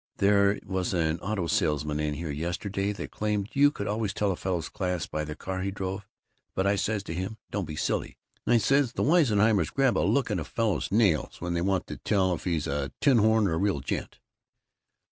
There was an auto salesman in here yesterday that claimed you could always tell a fellow's class by the car he drove, but I says to him, 'Don't be silly,' I says; 'the wisenheimers grab a look at a fellow's nails when they want to tell if he's a tinhorn or a real gent!